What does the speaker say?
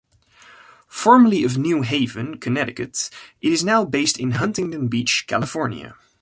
Formerly of New Haven, Connecticut, it is now based in Huntington Beach, California.